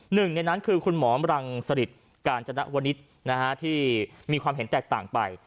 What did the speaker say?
หนึ่งในนั้นคือคุณหมอมรังสริตกาญจนวนิษฐ์ที่มีความเห็นแตกต่างไป